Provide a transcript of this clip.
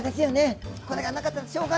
これがなかったら「しょうが」